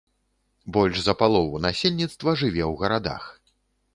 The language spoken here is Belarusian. Больш за палову насельніцтва жыве ў гарадах.